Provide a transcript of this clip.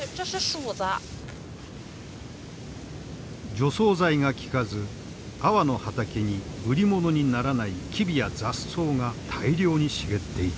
除草剤が効かずアワの畑に売り物にならないキビや雑草が大量に茂っていた。